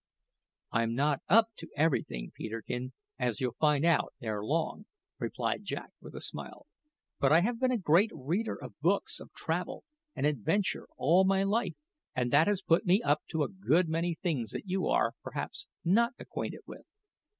"I'm not up to everything, Peterkin, as you'll find out ere long," replied Jack with a smile; "but I have been a great reader of books of travel and adventure all my life, and that has put me up to a good many things that you are, perhaps, not acquainted with."